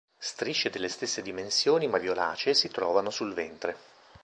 Strisce delle stesse dimensioni ma violacee si trovano sul ventre.